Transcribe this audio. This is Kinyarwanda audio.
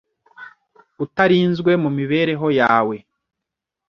utarinzwe mu mibereho yawe.